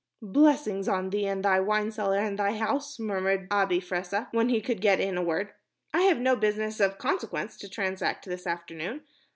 "Blessings on thee and thy wine cellar and thy house," murmured Abi Fressah, when he could get in a word. "I have no business of consequence to transact this afternoon.